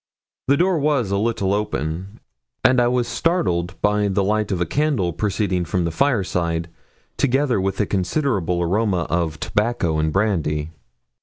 The door was a little open, and I was startled by the light of a candle proceeding from the fireside, together with a considerable aroma of tobacco and brandy.